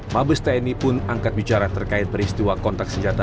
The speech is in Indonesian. mabes tni pun angkat bicara terkait peristiwa kontak senjata